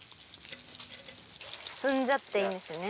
包んじゃっていいんですよね。